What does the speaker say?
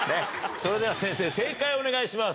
それでは先生、正解をお願いします。